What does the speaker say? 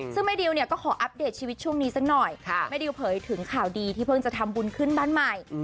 ซึ่งแม่ดิวเนี่ยก็ขออัปเดตชีวิตช่วงนี้สักหน่อยแม่ดิวเผยถึงข่าวดีที่เพิ่งจะทำบุญขึ้นบ้านใหม่